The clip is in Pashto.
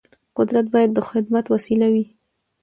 قدرت باید د خدمت وسیله وي